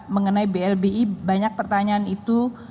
mengenai blbi banyak pertanyaan itu